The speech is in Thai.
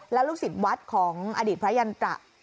แล้วลูกศิษย์วัดของอดีตพระยันตระ